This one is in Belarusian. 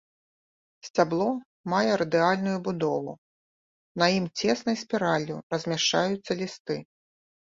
Сцябло мае радыяльную будову, на ім цеснай спіраллю размяшчаюцца лісты.